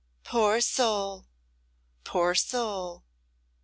Poor soul! poor soul!"